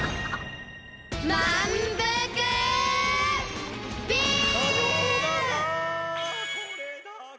まんぷくビーム！